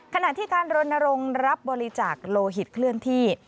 ขณะที่การรณรงค์รับบริจาคโลหิตเคลื่อนที่